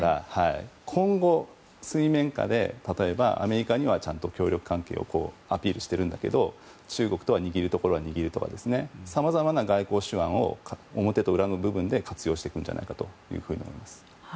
今後水面下で例えばアメリカにはちゃんと協力関係をアピールしているんだけど中国とは握るところは握るとかさまざまな外交手腕を表と裏の部分で活用していくんじゃないかと思います。